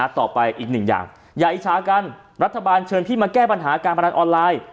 ต่อไปอีกหนึ่งอย่างอย่าอิจฉากันรัฐบาลเชิญพี่มาแก้ปัญหาการพนันออนไลน์